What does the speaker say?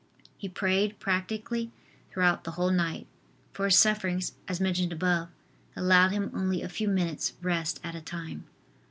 He prayed practically throughout the whole night, for his sufferings, as mentioned above, allowed him only a few minutes rest at a time.